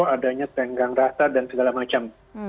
adanya tenggang rasa dan segala macam